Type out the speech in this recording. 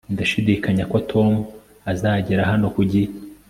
ndashidikanya ko tom azagera hano ku gihe